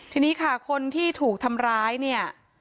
ทีนี้ค่ะคนที่ถูกทำร้ายเนี่ย